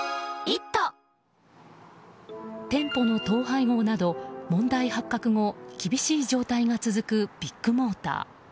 店舗の統廃合など問題発覚後厳しい状態が続くビッグモーター。